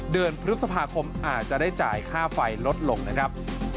เดือนพฤษภาคมอาจจะได้จ่ายค่าไฟลดลงนะครับ